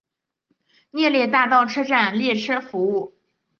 涅雷大道车站列车服务。